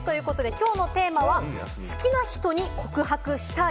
きょうのテーマは好きな人に告白したい？